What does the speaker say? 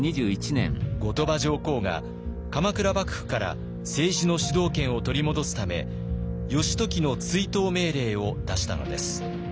後鳥羽上皇が鎌倉幕府から政治の主導権を取り戻すため義時の追討命令を出したのです。